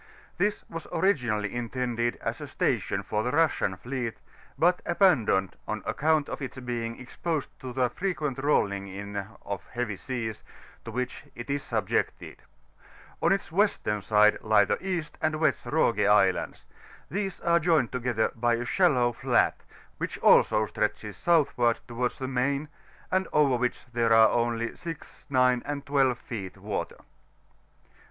This was originally [GuLr or Finland.] b 2 PILOTING DIRECTIONS FOR intended as a station for the Russian fleet, but abandoned, on aeoount of its being exposed to the frequent rdiling in of heavy seas» to which tt is subjected. On its western side lie the East and West Roge Islands : these are joined together bj a shallow fiaJt^ which also stretches southward towards the main, and over which there are only 6, 9, and 12 feet water.